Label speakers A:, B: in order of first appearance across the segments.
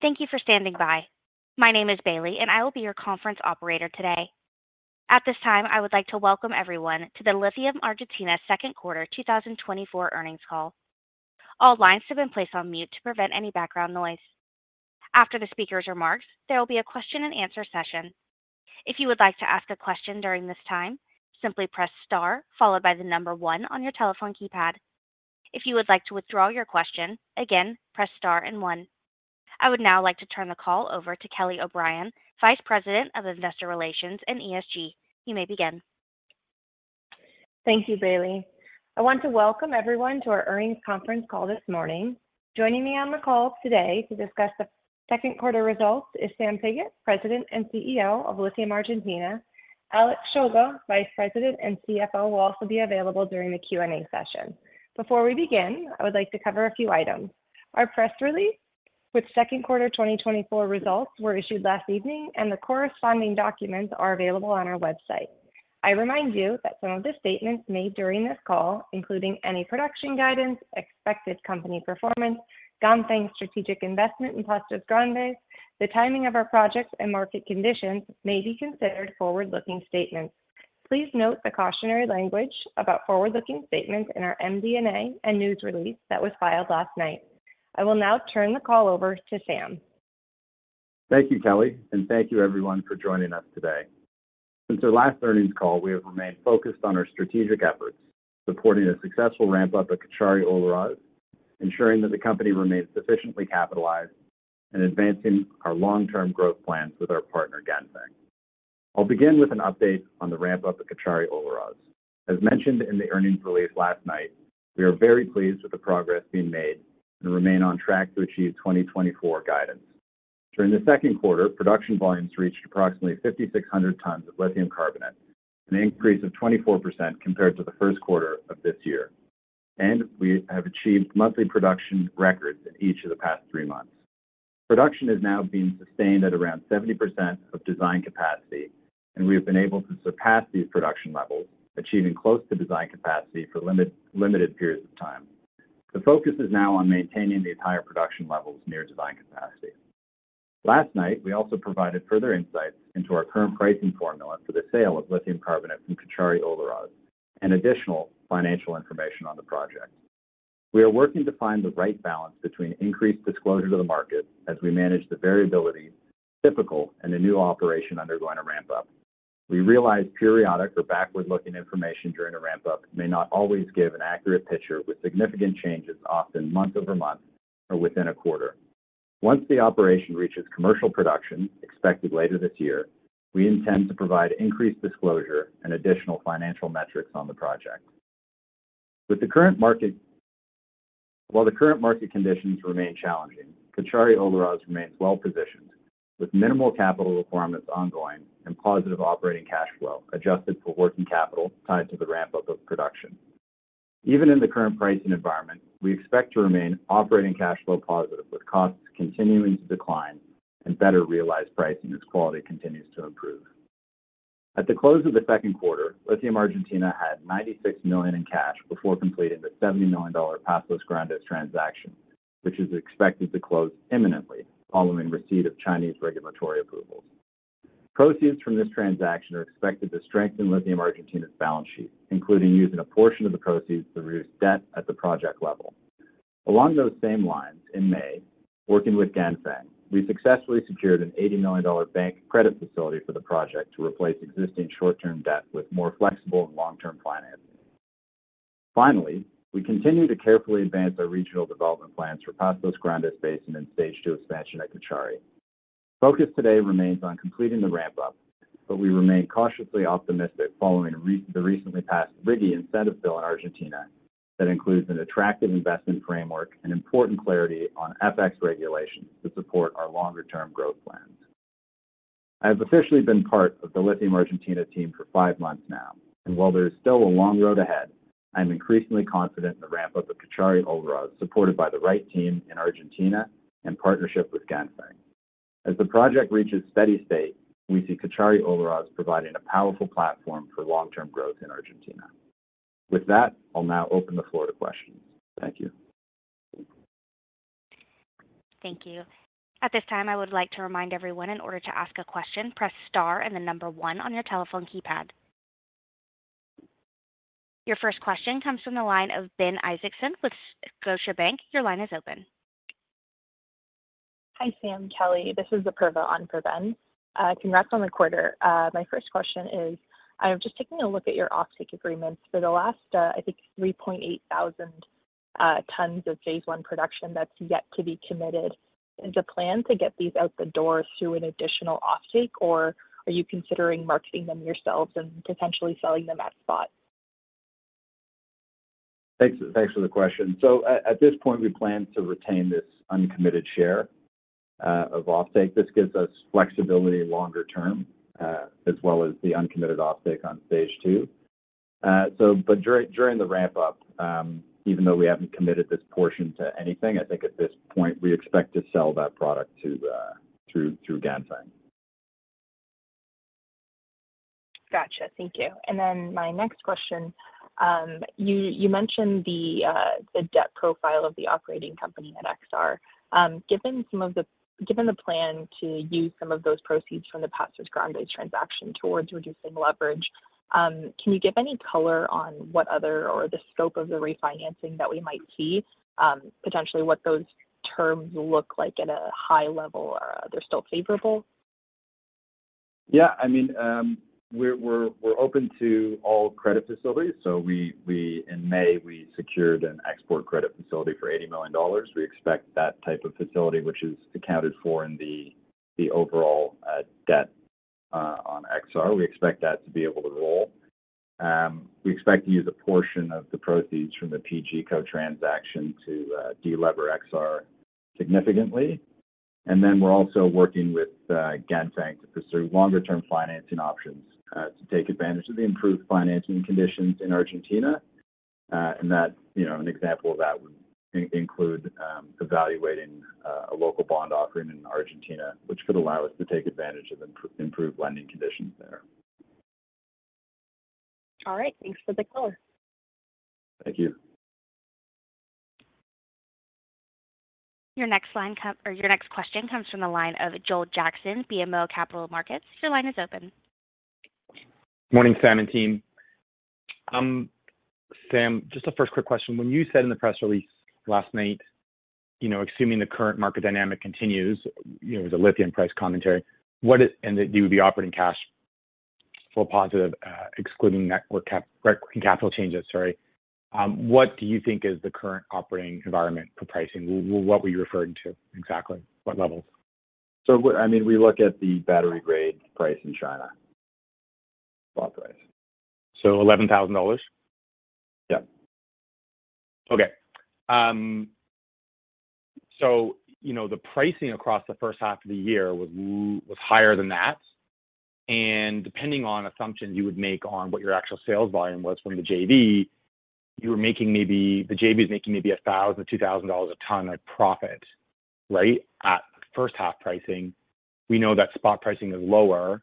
A: Thank you for standing by. My name is Bailey, and I will be your conference operator today. At this time, I would like to welcome everyone to the Lithium Argentina Second Quarter 2024 earnings call. All lines have been placed on mute to prevent any background noise. After the speaker's remarks, there will be a question and answer session. If you would like to ask a question during this time, simply press star followed by the number one on your telephone keypad. If you would like to withdraw your question, again, press star and one. I would now like to turn the call over to Kelly O'Brien, Vice President of Investor Relations and ESG. You may begin.
B: Thank you, Bailey. I want to welcome everyone to our earnings conference call this morning. Joining me on the call today to discuss the second quarter results is Sam Pigott, President and CEO of Lithium Argentina. Alex Shulga, Vice President and CFO, will also be available during the Q&A session. Before we begin, I would like to cover a few items. Our press release with second quarter 2024 results were issued last evening, and the corresponding documents are available on our website. I remind you that some of the statements made during this call, including any production guidance, expected company performance, Ganfeng's strategic investment in Pastos Grandes, the timing of our projects and market conditions, may be considered forward-looking statements. Please note the cautionary language about forward-looking statements in our MD&A and news release that was filed last night. I will now turn the call over to Sam.
C: Thank you, Kelly, and thank you everyone for joining us today. Since our last earnings call, we have remained focused on our strategic efforts, supporting a successful ramp-up at Caucharí-Olaroz, ensuring that the company remains sufficiently capitalized, and advancing our long-term growth plans with our partner, Ganfeng. I'll begin with an update on the ramp-up at Caucharí-Olaroz. As mentioned in the earnings release last night, we are very pleased with the progress being made and remain on track to achieve 2024 guidance. During the second quarter, production volumes reached approximately 5,600 tons of lithium carbonate, an increase of 24% compared to the first quarter of this year, and we have achieved monthly production records in each of the past three months. Production is now being sustained at around 70% of design capacity, and we have been able to surpass these production levels, achieving close to design capacity for limited periods of time. The focus is now on maintaining these higher production levels near design capacity. Last night, we also provided further insights into our current pricing formula for the sale of lithium carbonate from Caucharí-Olaroz and additional financial information on the project. We are working to find the right balance between increased disclosure to the market as we manage the variability typical in a new operation undergoing a ramp-up. We realize periodic or backward-looking information during a ramp-up may not always give an accurate picture, with significant changes often month over month or within a quarter. Once the operation reaches commercial production, expected later this year, we intend to provide increased disclosure and additional financial metrics on the project. While the current market conditions remain challenging, Caucharí-Olaroz remains well positioned, with minimal capital requirements ongoing and positive operating cash flow adjusted for working capital tied to the ramp-up of production. Even in the current pricing environment, we expect to remain operating cash flow positive, with costs continuing to decline and better realized pricing as quality continues to improve. At the close of the second quarter, Lithium Argentina had $96 million in cash before completing the $70 million Pastos Grandes transaction, which is expected to close imminently following receipt of Chinese regulatory approvals. Proceeds from this transaction are expected to strengthen Lithium Argentina's balance sheet, including using a portion of the proceeds to reduce debt at the project level. Along those same lines, in May, working with Ganfeng, we successfully secured an $80 million bank credit facility for the project to replace existing short-term debt with more flexible and long-term financing. Finally, we continue to carefully advance our regional development plans for Pastos Grandes Basin and stage two expansion at Caucharí-Olaroz. Focus today remains on completing the ramp-up, but we remain cautiously optimistic following the recently passed RIGI incentive bill in Argentina. That includes an attractive investment framework and important clarity on FX regulations to support our longer-term growth plans. I have officially been part of the Lithium Argentina team for five months now, and while there is still a long road ahead, I am increasingly confident in the ramp-up of Caucharí-Olaroz, supported by the right team in Argentina and partnership with Ganfeng. As the project reaches steady state, we see Caucharí-Olaroz providing a powerful platform for long-term growth in Argentina. With that, I'll now open the floor to questions. Thank you.
A: Thank you. At this time, I would like to remind everyone, in order to ask a question, press star and the number one on your telephone keypad. Your first question comes from the line of Ben Isaacson with Scotiabank. Your line is open.
D: Hi, Sam, Kelly. This is Apurva on for Ben. Congrats on the quarter. My first question is, I was just taking a look at your offtake agreements. For the last, I think 3,800 tons of phase one production that's yet to be committed, is the plan to get these out the door through an additional offtake, or are you considering marketing them yourselves and potentially selling them at spot?
C: Thanks, thanks for the question. So at this point, we plan to retain this uncommitted share of offtake. This gives us flexibility longer term, as well as the uncommitted offtake on stage two. So but during the ramp-up, even though we haven't committed this portion to anything, I think at this point, we expect to sell that product to the through Ganfeng.
D: Thank you. And then my next question, you mentioned the debt profile of the operating company at Exar. Given the plan to use some of those proceeds from the Pastos Grandes transaction towards reducing leverage, can you give any color on what other or the scope of the refinancing that we might see? Potentially what those terms look like at a high level, or they're still favorable?
C: Yeah, I mean, we're open to all credit facilities. So we-- in May, we secured an export credit facility for $80 million. We expect that type of facility, which is accounted for in the overall debt on Exar We expect that to be able to roll. We expect to use a portion of the proceeds from the PGCo transaction to de-lever Exar significantly. And then we're also working with Ganfeng to pursue longer-term financing options to take advantage of the improved financing conditions in Argentina. And that, you know, an example of that would include evaluating a local bond offering in Argentina, which could allow us to take advantage of improved lending conditions there.
D: All right. Thanks for the color.
C: Thank you.
A: Your next line or your next question comes from the line of Joel Jackson, BMO Capital Markets. Your line is open.
E: Morning, Sam, and team. Sam, just a first quick question. When you said in the press release last night, you know, assuming the current market dynamic continues, you know, the lithium price commentary, what is and that you would be operating cash flow positive, excluding net working capital changes, sorry. What do you think is the current operating environment for pricing? What were you referring to exactly? What levels?
C: I mean, we look at the battery grade price in China, spot price.
E: $11,000?
C: Yeah.
E: Okay. So, you know, the pricing across the first half of the year was higher than that, and depending on assumptions you would make on what your actual sales volume was from the JV, you were making maybe the JV is making maybe $1,000-$2,000 a ton of profit, right? At first half pricing, we know that spot pricing is lower.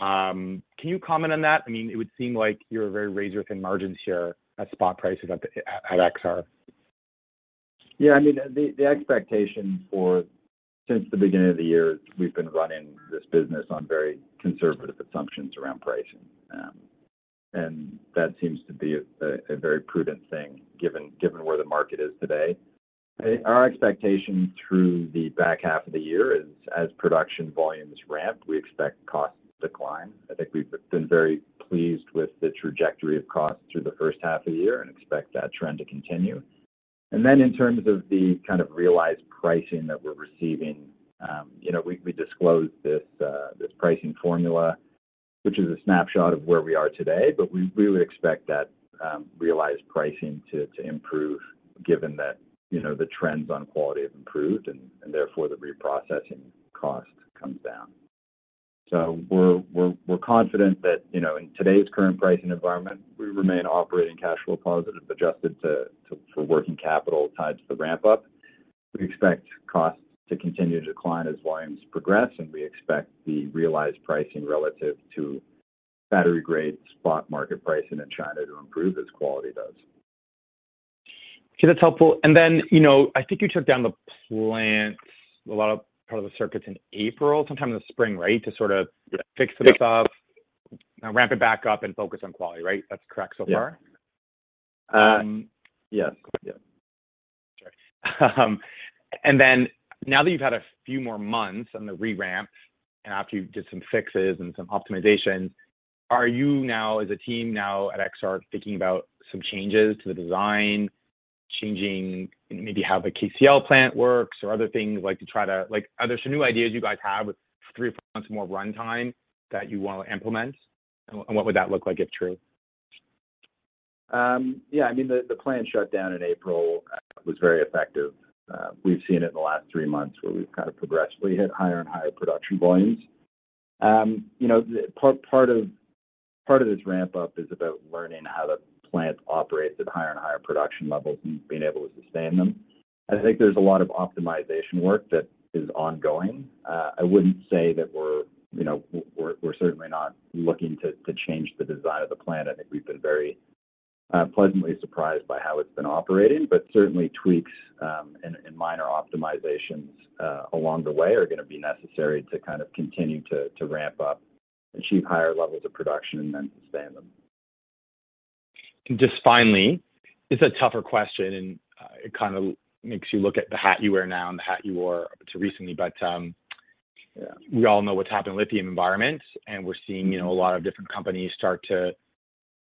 E: Can you comment on that? I mean, it would seem like you're a very razor-thin margin here at spot prices at Exar.
C: Yeah, I mean, the expectation since the beginning of the year, we've been running this business on very conservative assumptions around pricing. And that seems to be a very prudent thing, given where the market is today. Our expectation through the back half of the year is as production volumes ramp, we expect costs to decline. I think we've been very pleased with the trajectory of costs through the first half of the year and expect that trend to continue. And then in terms of the kind of realized pricing that we're receiving, you know, we disclosed this pricing formula, which is a snapshot of where we are today, but we really expect that realized pricing to improve given that, you know, the trends on quality have improved and therefore, the reprocessing cost comes down. So we're confident that, you know, in today's current pricing environment, we remain operating cash flow positive, adjusted to working capital tied to the ramp-up. We expect costs to continue to decline as volumes progress, and we expect the realized pricing relative to battery grade spot market pricing in China to improve as quality does.
E: Okay, that's helpful. And then, you know, I think you took down the plant, a lot of, part of the circuits in April, sometime in the spring, right? To sort of-
C: Yeah
E: Fix some stuff, ramp it back up, and focus on quality, right? That's correct so far?
C: Yeah. Yes. Yeah.
E: Sure. And then now that you've had a few more months on the re-ramp and after you did some fixes and some optimization, are you now, as a team now at Exar, thinking about some changes to the design, changing maybe how the KCl plant works or other things like to try to... Like, are there some new ideas you guys have with three or four months more runtime that you want to implement? And, and what would that look like if true?
C: Yeah, I mean, the plant shutdown in April was very effective. We've seen it in the last three months, where we've kind of progressively hit higher and higher production volumes. You know, the part of this ramp-up is about learning how the plant operates at higher and higher production levels and being able to sustain them. I think there's a lot of optimization work that is ongoing. I wouldn't say that we're, you know, we're certainly not looking to change the design of the plant. I think we've been very pleasantly surprised by how it's been operating, but certainly tweaks and minor optimizations along the way are gonna be necessary to kind of continue to ramp up, achieve higher levels of production and then sustain them.
E: Just finally, it's a tougher question, and it kind of makes you look at the hat you wear now and the hat you wore until recently. But we all know what's happened in lithium environments, and we're seeing, you know, a lot of different companies start to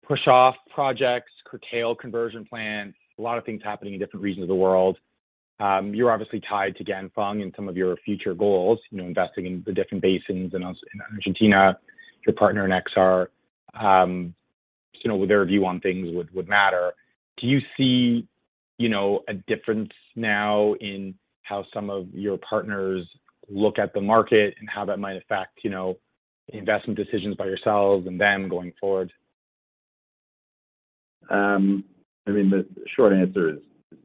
E: push off projects, curtail conversion plans, a lot of things happening in different regions of the world. You're obviously tied to Ganfeng in some of your future goals, you know, investing in the different basins in Aus- in Argentina, your partner in Exar. So, you know, their view on things would matter. Do you see, you know, a difference now in how some of your partners look at the market and how that might affect, you know, investment decisions by yourselves and them going forward?
C: I mean, the short answer is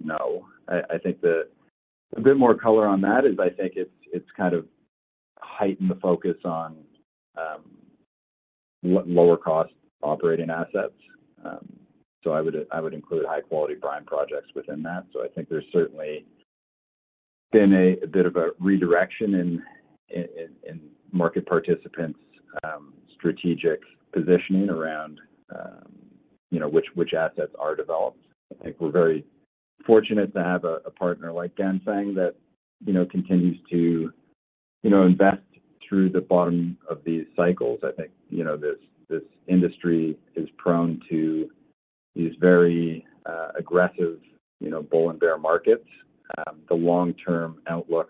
C: no. I think a bit more color on that is I think it's kind of heightened the focus on what lower cost operating assets. So I would include high quality brine projects within that. So I think there's certainly been a bit of a redirection in market participants' strategic positioning around, you know, which assets are developed. I think we're very fortunate to have a partner like Ganfeng that, you know, continues to invest through the bottom of these cycles. I think, you know, this industry is prone to these very aggressive, you know, bull and bear markets. The long-term outlook,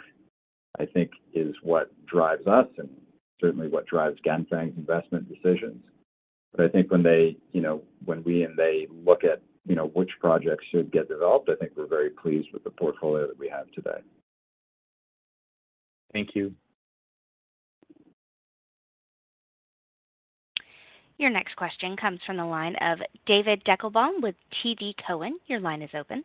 C: I think, is what drives us and certainly what drives Ganfeng's investment decisions. But I think when they, you know, when we and they look at, you know, which projects should get developed, I think we're very pleased with the portfolio that we have today.
E: Thank you.
A: Your next question comes from the line of David Deckelbaum with TD Cowen. Your line is open.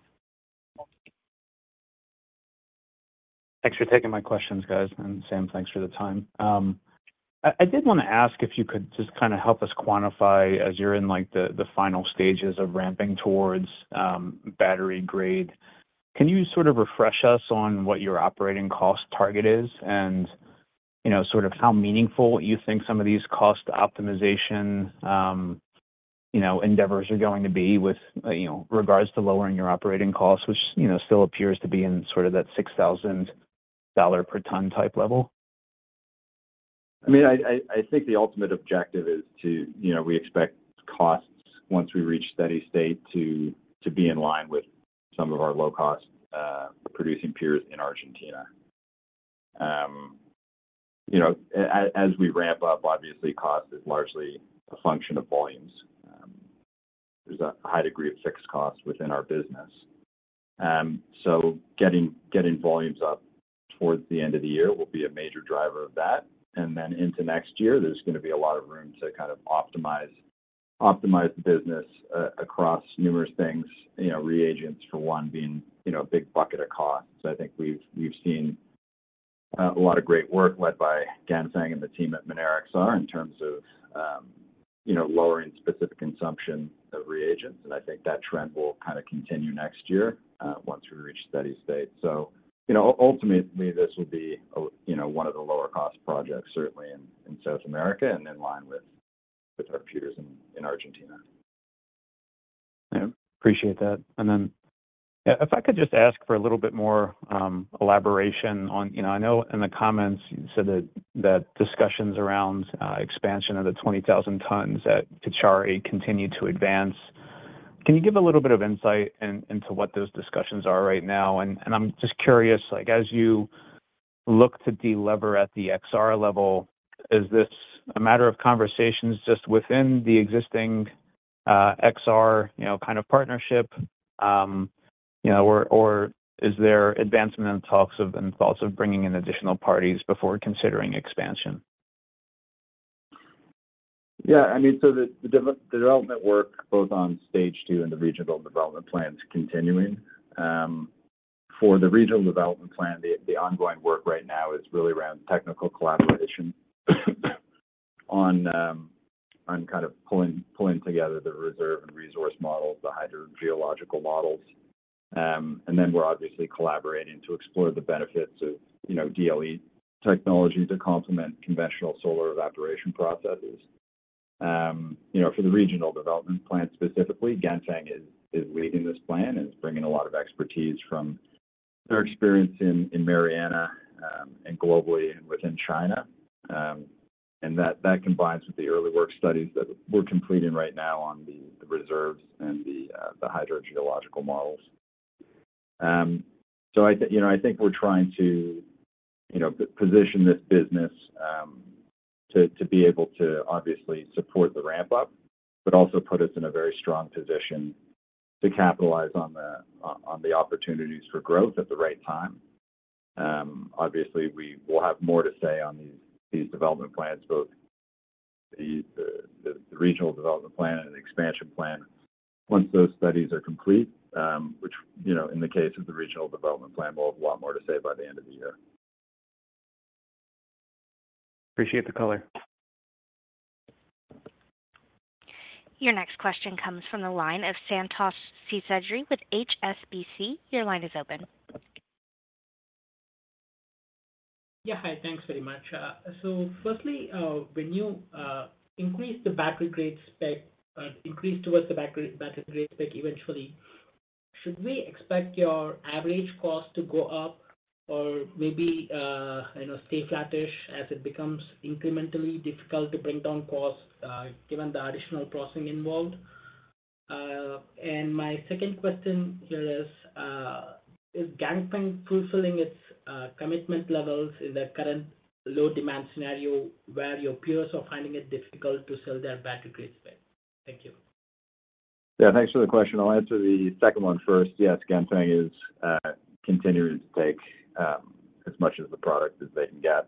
F: Thanks for taking my questions, guys. And Sam, thanks for the time. I did want to ask if you could just kind of help us quantify, as you're in, like, the final stages of ramping towards battery grade, can you sort of refresh us on what your operating cost target is? And, you know, sort of how meaningful you think some of these cost optimization, you know, endeavors are going to be with, you know, regards to lowering your operating costs, which, you know, still appears to be in sort of that $6,000 per ton type level?
C: I mean, I think the ultimate objective is to, you know, we expect costs once we reach steady state, to be in line with some of our low-cost producing peers in Argentina. You know, as we ramp up, obviously, cost is largely a function of volumes. There's a high degree of fixed costs within our business. So getting volumes up towards the end of the year will be a major driver of that. And then into next year, there's going to be a lot of room to kind of optimize the business across numerous things. You know, reagents, for one, being, you know, a big bucket of costs. I think we've seen a lot of great work led by Ganfeng and the team at Minera Exar in terms of, you know, lowering specific consumption of reagents. And I think that trend will kind of continue next year once we reach steady state. So, you know, ultimately, this would be a, you know, one of the lower cost projects, certainly in South America and in line with our peers in Argentina.
F: Yeah, appreciate that. And then, if I could just ask for a little bit more elaboration on. You know, I know in the comments you said that discussions around expansion of the 20,000 tons at Cauchari continue to advance. Can you give a little bit of insight into what those discussions are right now? And I'm just curious, like, as you look to delever at the Exar level, is this a matter of conversations just within the existing Exar, you know, kind of partnership? Or is there advancement in talks of and thoughts of bringing in additional parties before considering expansion?
C: Yeah, I mean, so the development work, both on stage two and the regional development plan, is continuing. For the regional development plan, the ongoing work right now is really around technical collaboration, on kind of pulling together the reserve and resource models, the hydrogeological models. And then we're obviously collaborating to explore the benefits of, you know, DLE technology to complement conventional solar evaporation processes. You know, for the regional development plan, specifically, Ganfeng is leading this plan and is bringing a lot of expertise from their experience in Mariana, and globally and within China. And that combines with the early work studies that we're completing right now on the reserves and the hydrogeological models. So I think we're trying to, you know, position this business, to be able to obviously support the ramp up, but also put us in a very strong position to capitalize on the opportunities for growth at the right time. Obviously, we will have more to say on these development plans, both the regional development plan and the expansion plan, once those studies are complete. Which, you know, in the case of the regional development plan, we'll have a lot more to say by the end of the year.
F: Appreciate the color.
A: Your next question comes from the line of Santosh Seshadri with HSBC. Your line is open.
G: Yeah, hi. Thanks very much. So firstly, when you increase the battery grade spec, increase towards the battery, battery grade spec eventually, should we expect your average cost to go up or maybe, you know, stay flattish as it becomes incrementally difficult to bring down costs, given the additional processing involved? And my second question here is, is Ganfeng fulfilling its commitment levels in the current low demand scenario where your peers are finding it difficult to sell their battery grade spec? Thank you.
C: Yeah, thanks for the question. I'll answer the second one first. Yes, Ganfeng is continuing to take as much of the product as they can get.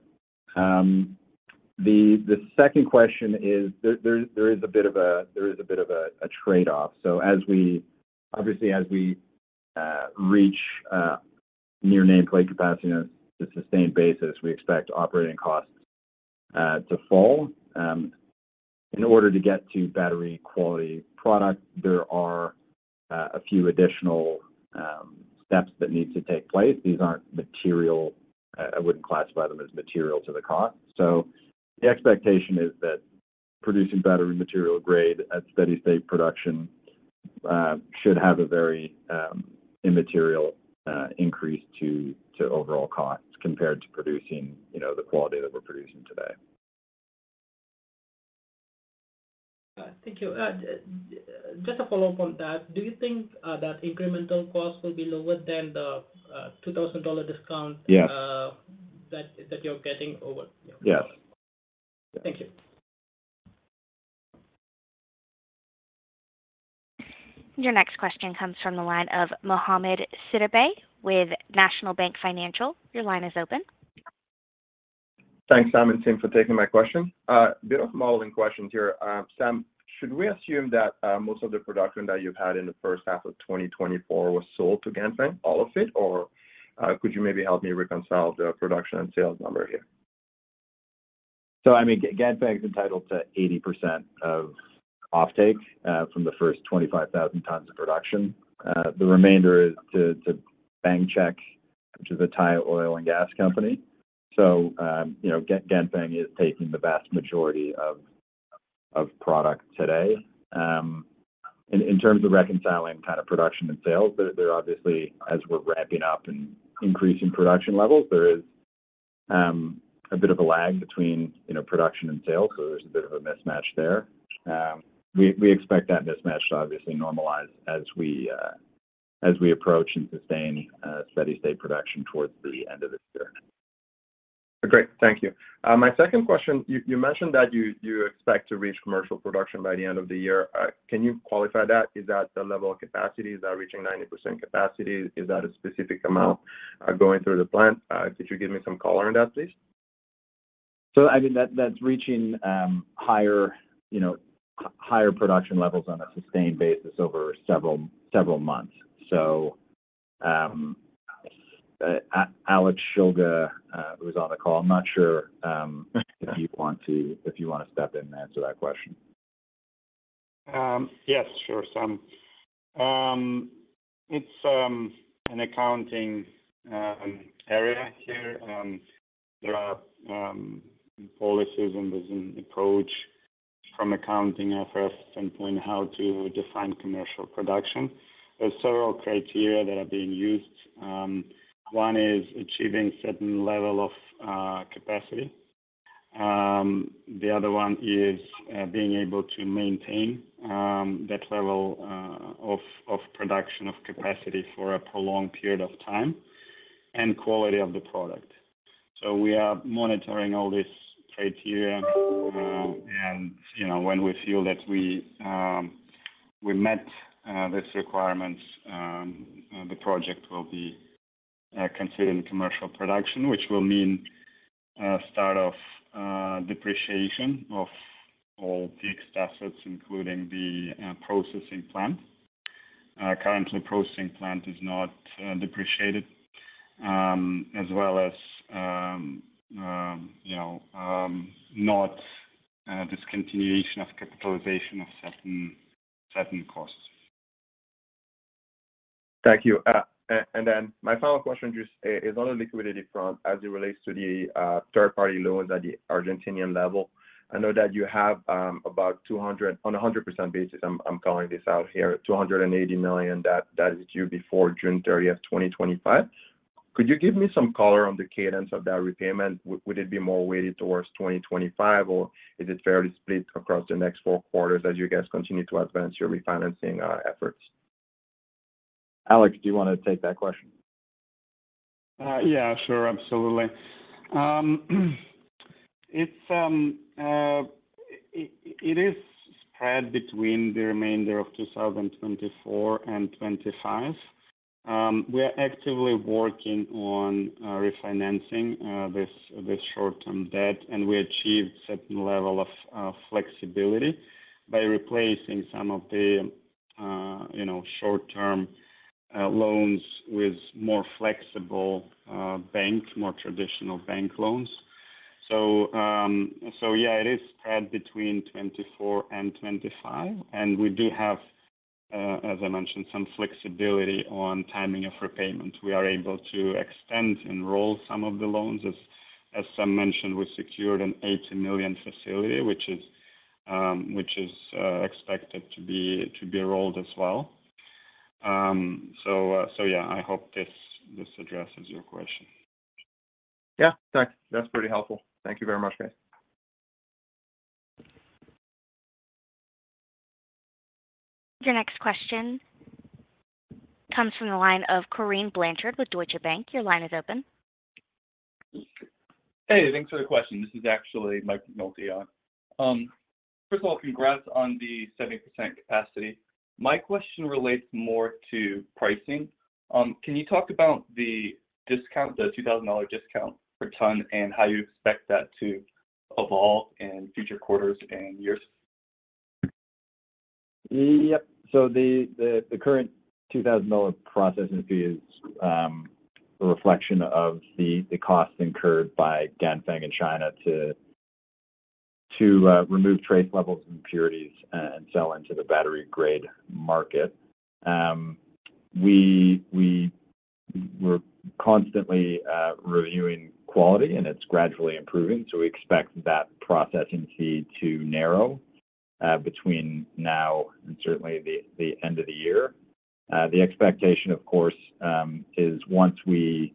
C: The second question is, there is a bit of a trade-off. So as we obviously, as we reach near nameplate capacity on a sustained basis, we expect operating costs to fall. In order to get to battery quality product, there are a few additional steps that need to take place. These aren't material. I wouldn't classify them as material to the cost. So the expectation is that producing battery material grade at steady state production should have a very immaterial increase to overall costs compared to producing, you know, the quality that we're producing today.
G: Thank you. Just a follow-up on that. Do you think that incremental costs will be lower than the $2,000 discount-
C: Yes.
G: that you're getting over?
C: Yes.
G: Thank you.
A: Your next question comes from the line of Mohamed Sidibe with National Bank Financial. Your line is open.
H: Thanks, Sam and team, for taking my question. Bit of modeling questions here. Sam, should we assume that most of the production that you've had in the first half of 2024 was sold to Ganfeng, all of it? Or could you maybe help me reconcile the production and sales number here?
C: So I mean, Ganfeng's entitled to 80% of offtake from the first 25,000 tons of production. The remainder is to Bangchak, which is a Thai oil and gas company. So, you know, Ganfeng is taking the vast majority of product today. In terms of reconciling kind of production and sales, there are obviously, as we're ramping up and increasing production levels, there is a bit of a lag between, you know, production and sales, so there's a bit of a mismatch there. We expect that mismatch to obviously normalize as we approach and sustain steady state production towards the end of this year.
H: Great. Thank you. My second question, you mentioned that you expect to reach commercial production by the end of the year. Can you qualify that? Is that the level of capacity? Is that reaching 90% capacity? Is that a specific amount going through the plant? Could you give me some color on that, please?
C: So, I mean, that's reaching higher, you know, higher production levels on a sustained basis over several months. So, Alex Shulga, who's on the call, I'm not sure if you want to step in and answer that question.
I: Yes, sure, Sam. It's an accounting area here, and there are policies and there's an approach from accounting efforts standpoint, how to define commercial production. There are several criteria that are being used. One is achieving certain level of capacity. The other one is being able to maintain that level of production capacity for a prolonged period of time and quality of the product. So we are monitoring all these criteria, and, you know, when we feel that we met these requirements, the project will be considered in commercial production, which will mean start of depreciation of all fixed assets, including the processing plant. Currently, processing plant is not depreciated, as well as, you know, not discontinuation of capitalization of certain costs.
H: Thank you. And then my final question just is on the liquidity front as it relates to the third-party loans at the Argentine level. I know that you have about $280 million, on a 100% basis, I'm calling this out here, that is due before June thirtieth, 2025. Could you give me some color on the cadence of that repayment? Would it be more weighted towards 2025, or is it fairly split across the next four quarters as you guys continue to advance your refinancing efforts?
C: Alex, do you want to take that question?
I: Yeah, sure. Absolutely. It's spread between the remainder of 2024 and 25. We are actively working on refinancing this, the short-term debt, and we achieved certain level of flexibility by replacing some of the, you know, short-term loans with more flexible, more traditional bank loans. So, yeah, it is spread between 2024 and 25, and we do have, as I mentioned, some flexibility on timing of repayment. We are able to extend and roll some of the loans. As Sam mentioned, we secured an $80 million facility, which is expected to be rolled as well. So, yeah, I hope this addresses your question.
H: Yeah, thanks. That's pretty helpful. Thank you very much, guys.
A: Your next question comes from the line of Corinne Blanchard with Deutsche Bank. Your line is open.
J: Hey, thanks for the question. This is actually Mike Nolte on. First of all, congrats on the 70% capacity. My question relates more to pricing. Can you talk about the discount, the $2,000 discount per ton, and how you expect that to evolve in future quarters and years?
C: Yep. So the current $2000 processing fee is a reflection of the costs incurred by Ganfeng in China to remove trace levels of impurities and sell into the battery grade market. We're constantly reviewing quality, and it's gradually improving, so we expect that processing fee to narrow between now and certainly the end of the year. The expectation, of course, is once we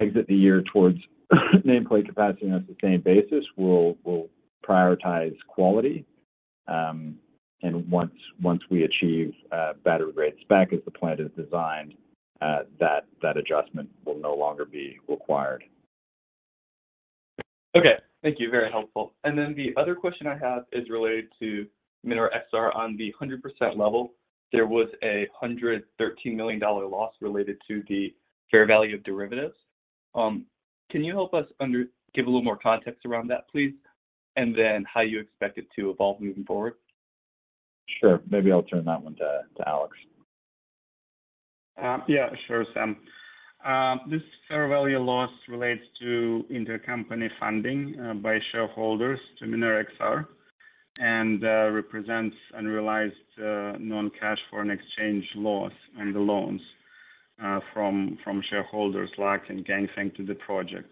C: exit the year towards nameplate capacity on a sustained basis, we'll prioritize quality. And once we achieve a battery grade spec, as the plant is designed, that adjustment will no longer be required.
J: Okay. Thank you. Very helpful. And then the other question I have is related to Minera Exar on the 100% level. There was a $113 million loss related to the fair value of derivatives. Can you help us understand and give a little more context around that, please? And then how you expect it to evolve moving forward.
C: Sure. Maybe I'll turn that one to Alex.
I: Yeah, sure, Sam. This fair value loss relates to intercompany funding by shareholders to Minera Exar, and represents unrealized non-cash foreign exchange loss on the loans from shareholders like in Ganfeng to the project.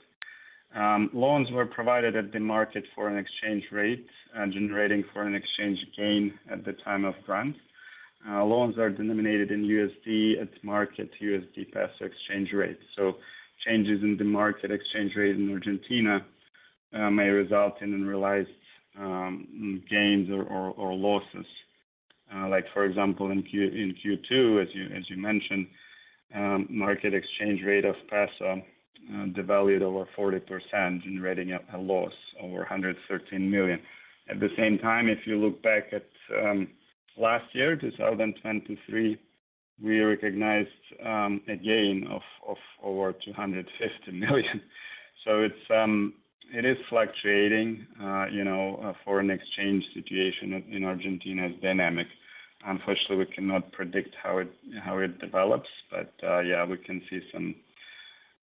I: Loans were provided at the market foreign exchange rate and generating foreign exchange gain at the time of grant. Loans are denominated in USD at market USD peso exchange rate. So changes in the market exchange rate in Argentina may result in unrealized gains or losses. Like for example, in Q2, as you mentioned, market exchange rate of peso devalued over 40%, generating a loss over $113 million. At the same time, if you look back at last year, 2023, we recognized a gain of over $250 million. So it's it is fluctuating. You know, foreign exchange situation in Argentina is dynamic. Unfortunately, we cannot predict how it develops, but yeah, we can see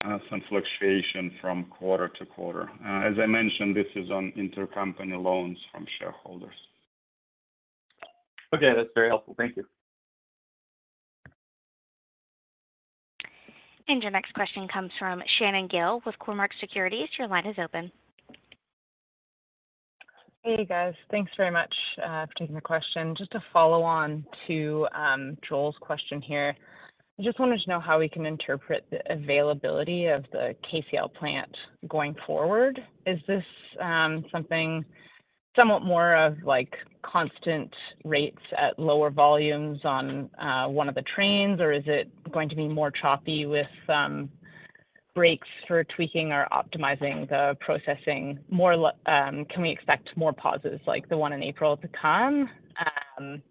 I: some fluctuation from quarter to quarter. As I mentioned, this is on intercompany loans from shareholders.
J: Okay, that's very helpful. Thank you.
A: Your next question comes from Shannon Gill with Cormark Securities. Your line is open.
K: Hey, guys. Thanks very much for taking the question. Just to follow on to Joel's question here. I just wanted to know how we can interpret the availability of the KCl plant going forward. Is this something somewhat more of like constant rates at lower volumes on one of the trains? Or is it going to be more choppy with breaks for tweaking or optimizing the processing more, can we expect more pauses like the one in April to come?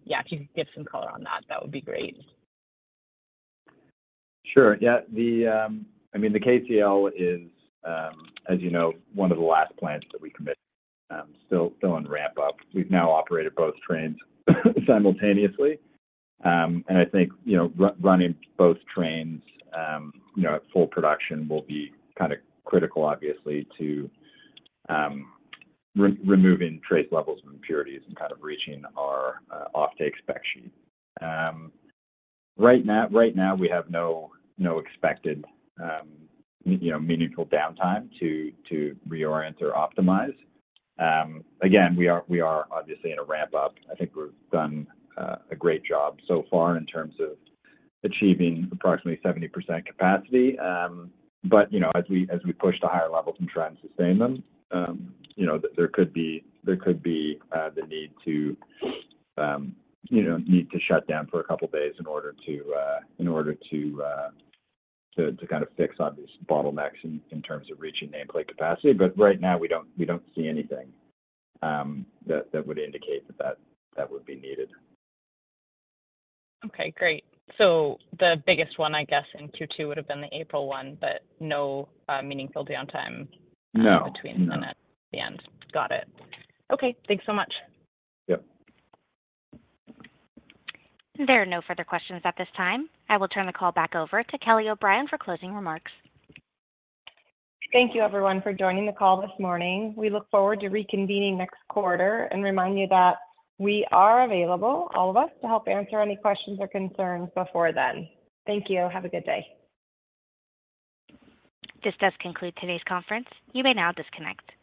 K: Yeah, if you could give some color on that, that would be great.
C: Sure. Yeah, the, I mean, the KCl is, as you know, one of the last plants that we committed, still, still in ramp up. We've now operated both trains simultaneously. And I think, you know, running both trains, you know, at full production will be kind of critical, obviously, to, removing trace levels of impurities and kind of reaching our, offtake spec sheet. Right now, right now, we have no, no expected, you know, meaningful downtime to, to reorient or optimize. Again, we are, we are obviously in a ramp up. I think we've done, a great job so far in terms of achieving approximately 70% capacity. But, you know, as we push to higher levels and try and sustain them, you know, there could be the need to, you know, shut down for a couple of days in order to kind of fix obvious bottlenecks in terms of reaching nameplate capacity. But right now, we don't see anything that would indicate that that would be needed.
K: Okay, great. So the biggest one, I guess, in Q2 would have been the April one, but no, meaningful downtime-
C: No.
K: in between and at the end. Got it. Okay, thanks so much.
C: Yep.
A: There are no further questions at this time. I will turn the call back over to Kelly O'Brien for closing remarks.
B: Thank you, everyone, for joining the call this morning. We look forward to reconvening next quarter and remind you that we are available, all of us, to help answer any questions or concerns before then. Thank you. Have a good day.
A: This does conclude today's conference. You may now disconnect.